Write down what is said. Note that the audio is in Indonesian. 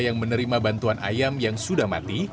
yang menerima bantuan ayam yang sudah mati